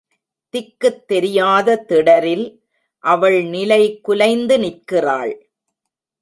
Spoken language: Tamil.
திக்குத் தெரியாத திடரில் அவள் நிலை குலைந்து நிற்கிறாள்.